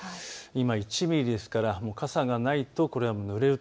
今１ミリですから傘がないとぬれる。